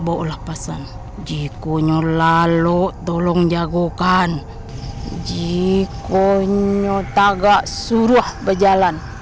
olah pasang jikunya lalu tolong jago kan jikunya tagak suruh berjalan